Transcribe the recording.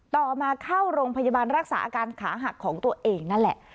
ต่อมาเข้าโรงพยาบาลรักษาอาการขาหักของตัวเองนั่นแหละ